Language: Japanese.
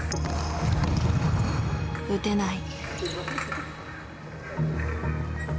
打てない。